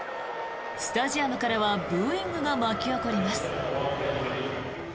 スタジアムからはブーイングが巻き起こります。